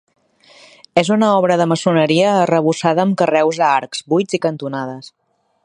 És una obra de maçoneria arrebossada amb carreus a arcs, buits i cantonades.